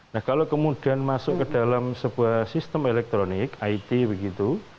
nah kalau kemudian masuk ke dalam sebuah sistem elektronik it begitu